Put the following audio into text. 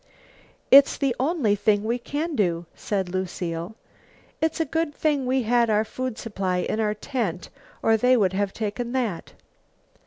"It's the only thing we can do," said Lucile. "It's a good thing we had our food supply in our tent, or they would have taken that."